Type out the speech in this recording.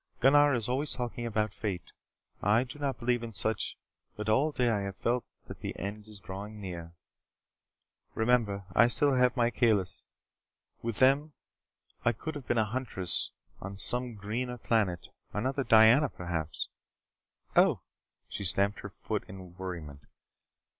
"Gunnar is always talking about fate. I do not believe in such. But all day I have felt that the end is drawing near. Remember, I still have my Kalis. With them I could have been a huntress on some greener planet another Diana, perhaps. Oh!" She stamped her foot in worriment.